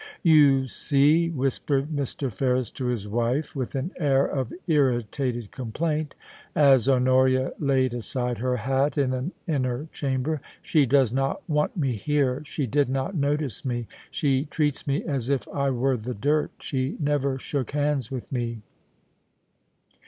* You see,' whispered Mr. Ferris to his wife, with an air of irritated complaint, as Honoria laid aside her hat in an inner chamber, * she does not want me here ; she did not notice me ; she treats me as if I were the dirt ; she never shook hands with me.'